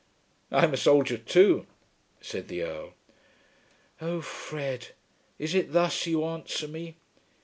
"I'm a soldier too," said the Earl. "Oh, Fred, is it thus you answer me!